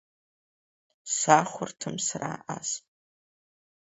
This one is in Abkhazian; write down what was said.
Сахәарҭам сара ас…